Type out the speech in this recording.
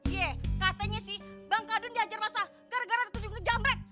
iya katanya sih bang kadun diajar masa gara gara ada tujuh ngejamrek